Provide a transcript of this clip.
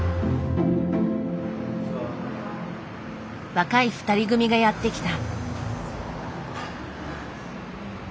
若い２人組がやって来た。